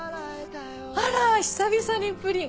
あら久々にプリン。